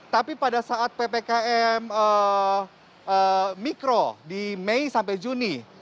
tapi pada saat ppkm mikro di mei sampai juni